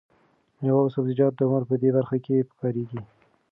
مېوه او سبزیجات د عمر په دې برخه کې پکارېږي.